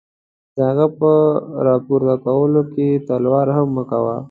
د هغه په را پورته کولو کې تلوار هم مه کوه.